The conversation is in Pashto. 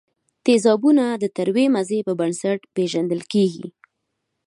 تیزابونه د تروې مزې په بنسټ پیژندل کیږي.